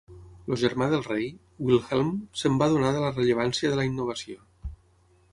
El germà del rei, Wilhelm, se'n va adonar de la rellevància de la innovació.